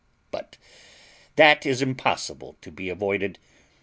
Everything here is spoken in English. But that is impossible to be avoided.